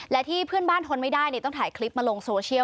และที่เพื่อนบ้านทนไม่ได้ต้องถ่ายคลิปมาลงโซเชียล